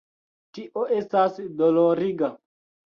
Tio estas doloriga.